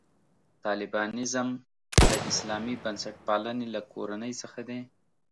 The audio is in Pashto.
طالبانیزم د اسلامي بنسټپالنې له کورنۍ څخه دی.